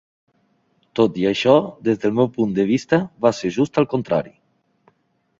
Tot i això, des del meu punt de vista va ser just al contrari.